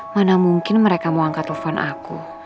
mana mungkin mereka mau angkat telepon aku